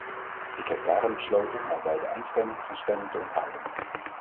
Ik heb daarom besloten mij bij de eindstemming van stemming te onthouden.